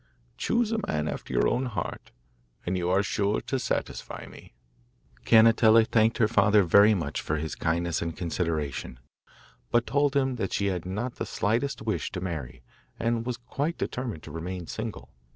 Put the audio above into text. Choose a man after your own heart, and you are sure to satisfy me.' Cannetella thanked her father very much for his kindness and consideration, but told him that she had not the slightest wish to marry, and was quite determined to remain single.